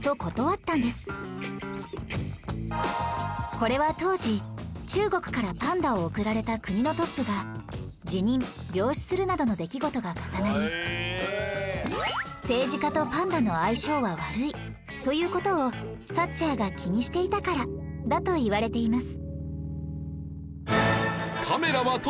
これは当時中国からパンダを贈られた国のトップが辞任病死するなどの出来事が重なり政治家とパンダの相性は悪いという事をサッチャーが気にしていたからだといわれています